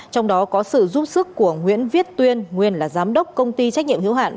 trong đó có sự giúp sức của nguyễn viết tuyên nguyên là giám đốc công ty trách nhiệm hiếu hạn